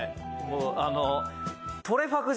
もうあの」